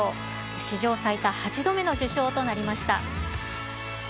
史上最多８度目の受賞となりました。